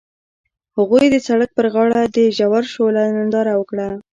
هغوی د سړک پر غاړه د ژور شعله ننداره وکړه.